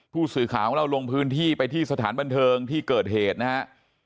ผู้สื่อข่าวของเราลงพื้นที่ไปที่สถานบันเทิงที่เกิดเหตุนะฮะ